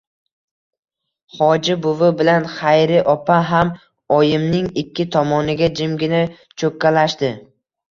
Hoji buvi bilan Xayri opa ham oyimning ikki tomoniga jimgina cho‘kkalashdi.